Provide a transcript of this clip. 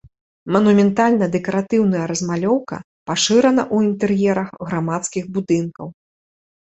Манументальна-дэкаратыўная размалёўка пашырана ў інтэр'ерах грамадскіх будынкаў.